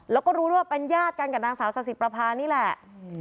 แล้วก็รู้ด้วยว่าเป็นญาติกันกับนางสาวสาธิประพานี่แหละ